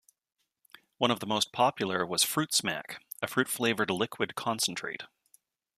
One of the most popular was "Fruit-Smack", a fruit-flavored liquid concentrate.